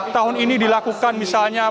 tahun ini dilakukan misalnya